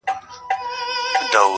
عدالت چي وي په لاس د شرمښانو -